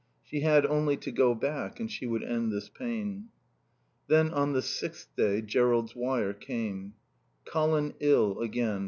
She had only to go back and she would end this pain. Then on the sixth day Jerrold's wire came: "Colin ill again.